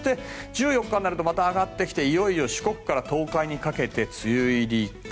１４日になるとまた上がってきていよいよ四国から東海にかけて梅雨入りか。